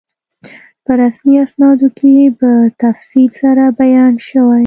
په رسمي اسنادو کې په تفصیل سره بیان شوی.